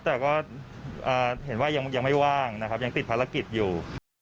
แต่ก็เห็นว่ายังไม่ว่างนะครับยังติดภารกิจอยู่